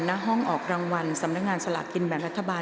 หน้าห้องออกรางวัลสำนักงานสลากกินแบ่งรัฐบาล